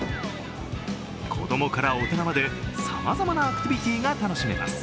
子供から大人まで、さまざまなアクティビティーが楽しめます。